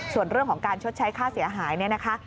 ส่วนเรื่องของการชดใช้ค่าเสียหายเนี่ยนะคะ